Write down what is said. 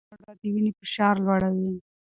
بدخواړه د وینې فشار لوړوي.